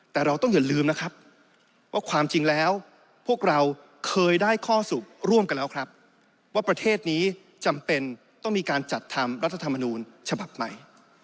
แต่เราต้องอย่าลืมนะครับว่าความจริงแล้วพวกเราเคยได้ข้อสรุปร่วมกันแล้วครับว่าประเทศนี้จำเป็นต้องมีการจัดทำรัฐธรรมนูญฉบับใหม่